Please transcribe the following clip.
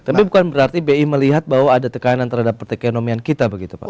tapi bukan berarti bi melihat bahwa ada tekanan terhadap perekonomian kita begitu pak